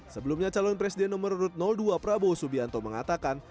sebelumnya calon presiden nomor dua prabowo subianto mengatakan